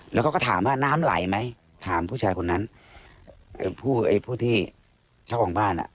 แล้วก็ก็ถามว่าน้ำไหลไหมถามผู้ชายคนนั้นผู้ที่เช่าของบ้าน